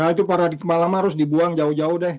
nah itu paradigma lama harus dibuang jauh jauh deh